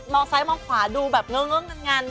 ซ้ายมองขวาดูแบบเงิ่งัน